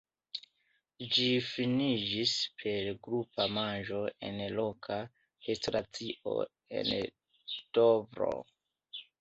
Ĝi finiĝis per grupa manĝo en loka restoracio en Dovro.